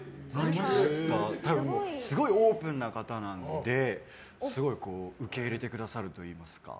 すごいオープンな方なので受け入れてくださるといいますか。